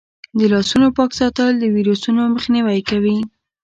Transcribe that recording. د لاسونو پاک ساتل د ویروسونو مخنیوی کوي.